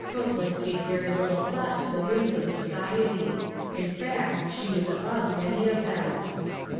Copeland gave very little thought to the whims of society ; in fact, she was above many of them.